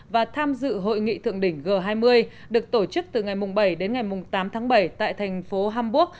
và tham dự hội nghị thượng đỉnh g hai mươi được tổ chức từ ngày bảy đến ngày tám tháng bảy tại thành phố hamburg